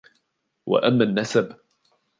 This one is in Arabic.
وَأَمَّا النَّسَبُ